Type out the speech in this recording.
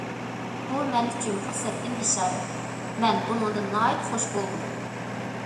بۇ مەن ئۈچۈن پۇرسەتتىن بېشارەت، مەن بۇنىڭدىن ناھايىتى خۇش بولدۇم.